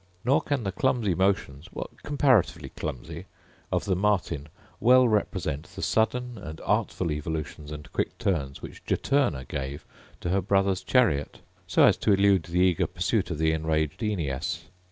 Nor can the clumsy motions (comparatively clumsy) of the martin well represent the sudden and artful evolutions and quick turns which Juturna gave to her brother's chariot, so as to elude the eager pursuit of the enraged Aeneas.